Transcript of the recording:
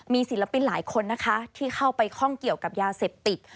มีศิลปินหลายคนนะคะที่เข้าไปข้องเกี่ยวกับยาเสพติด